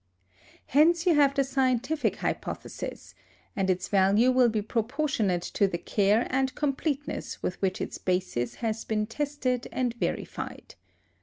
Hence you have the scientific hypothesis; and its value will be proportionate to the care and completeness with which its basis had been tested and verified.